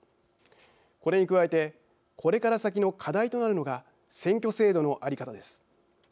これに加えてこれから先の課題となるのが選挙制度の在り方です。